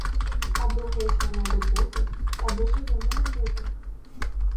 Або гетьмана добути, або живими не бути!